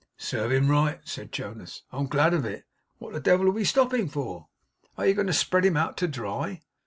'Serve him right,' said Jonas. 'I'm glad of it. What the devil are we stopping for? Are you going to spread him out to dry?